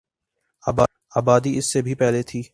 آبادی اس سے بھی پہلے تھی